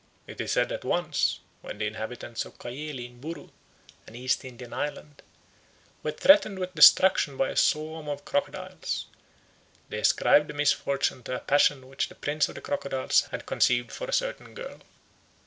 It is said that once, when the inhabitants of Cayeli in Buru an East Indian island were threatened with destruction by a swarm of crocodiles, they ascribed the misfortune to a passion which the prince of the crocodiles had conceived for a certain girl.